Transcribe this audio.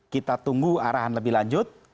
kita tunggu arahan lebih lanjut